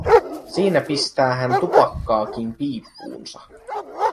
Siinä pistää hän tupakkaakin piippuunsa.